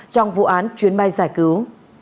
trong vụ án chuyến bay giải cứu